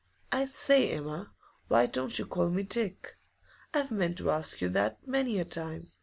'I say, Emma, why don't you call me Dick? I've meant to ask you that many a time.